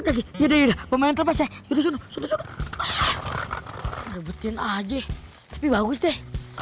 udah terjadi udah pemain terpas ya itu sudah betina aja tapi bagus deh